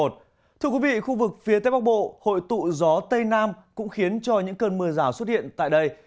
thưa quý vị khu vực phía tây bắc bộ hội tụ gió tây nam cũng khiến cho những cơn mưa rào xuất hiện tại đây